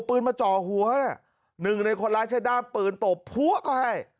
ปืนมาจ่อหัวหนึ่งในคนร้ายใช้ด้ามปืนตบพัวก็ให้